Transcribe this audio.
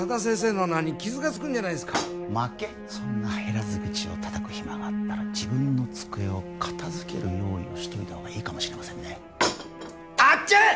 そんな減らず口をたたく暇があったら自分の机を片づける用意をしといた方がいいかもしれませんねアッチ！